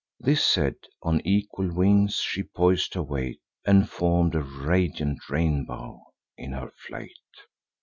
This said, on equal wings she pois'd her weight, And form'd a radiant rainbow in her flight.